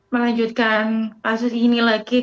melanjutkan kasus ini lagi